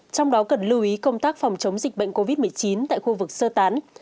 trong đó cần lưu ý công tác phòng chống dịch bệnh covid một mươi chín tại khu vực sơ tán